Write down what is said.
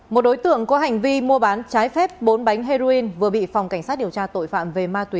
một đối tượng có hành vi mua bán trái phép bốn bánh heroin vừa bị phòng cảnh sát điều tra tội phạm về ma túy